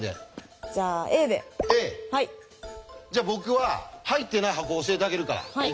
じゃ僕は入ってない箱を教えてあげるから。